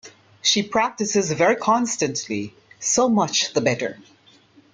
She practises very constantly. So much the better.